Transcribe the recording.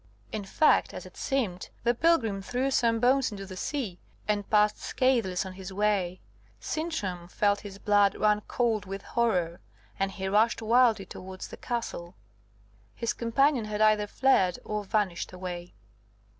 In fact, as it seemed, the pilgrim threw some bones into the sea, and passed scatheless on his way. Sintram felt his blood run cold with horror, and he rushed wildly towards the castle. His companion had either fled or vanished away.